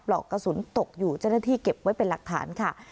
อกกระสุนตกอยู่เจ้าหน้าที่เก็บไว้เป็นหลักฐานค่ะ